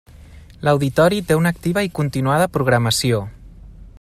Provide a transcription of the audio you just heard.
L'Auditori té una activa i continuada programació.